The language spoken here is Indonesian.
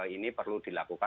ya ini perlu dilakukan